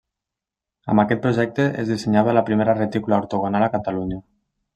Amb aquest projecte es dissenyava la primera retícula ortogonal a Catalunya.